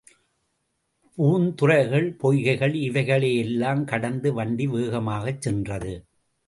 பூந்துறைகள், பொய்கைகள் இவைகளை யெல்லாம் கடந்து வண்டி வேகமாகச் சென்றது.